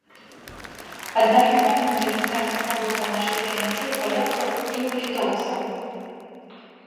Аднак няма фундаментальных работ па нашай тэме і ў палякаў, і ў літоўцаў.